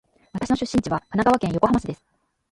私の出身地は神奈川県横浜市です。